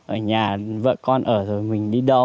ở nhà vợ con ở rồi mình đi đâu